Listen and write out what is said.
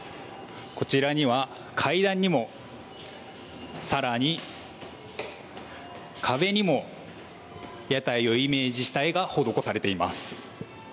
こちらには階段にもさらに壁にも屋台をイメージした絵が施されています。